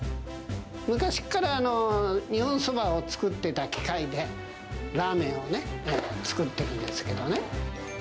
昔から日本そばを作っていた機械で、ラーメンをね、作ってるんですけどね。